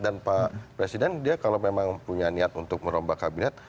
dan pak presiden dia kalau memang punya niat untuk merombak kabinet